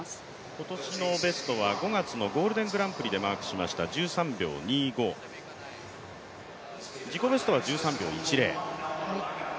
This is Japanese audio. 今年のベストは５月のゴールデングランプリで勝利しました１３秒２５、自己ベストは１３秒１０。